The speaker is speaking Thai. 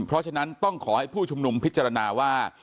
เพราะฉะนั้นต้องขอให้ผู้ชุมนุมพิจารณาว่า